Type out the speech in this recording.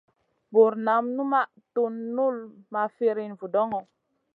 Bur nam numaʼ tun null ma firina vudoŋo.